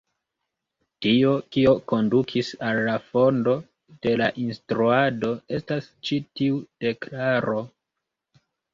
Tio, kio kondukis al la fondo de la instruado, estas ĉi tiu deklaro.